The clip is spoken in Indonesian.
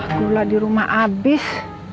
gula di rumah abis